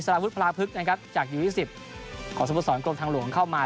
สารวุฒิพระพฤกษ์นะครับจากอยู่ยี่สิบขอสมมติสอนกรมทางหลวงเข้ามา